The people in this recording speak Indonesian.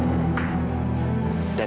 nanti aku rasanya rasanya sakit